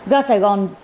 gia sài gòn